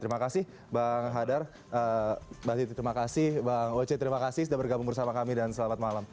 terima kasih bang hadar mbak titi terima kasih bang oce terima kasih sudah bergabung bersama kami dan selamat malam